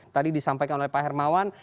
tadi disampaikan oleh pak hermawan